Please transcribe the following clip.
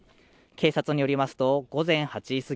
警察によりますと午前８時過ぎ